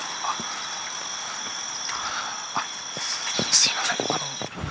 すいません